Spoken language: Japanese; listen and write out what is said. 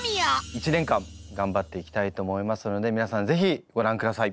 １年間頑張っていきたいと思いますので皆さんぜひご覧ください。